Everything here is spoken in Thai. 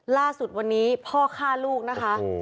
ล่าสุดวันนี้พ่อฆ่าลูกนะคะ